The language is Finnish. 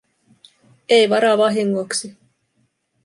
Ei vara vahingoksi.